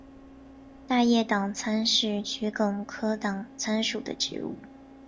大叶党参是桔梗科党参属的植物。